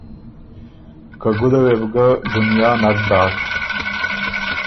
که ګُده وې بو ګۀ ګنیا نک داک۔